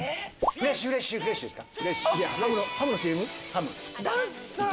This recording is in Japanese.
「フレッシュフレッシュフレッシュ」ですか？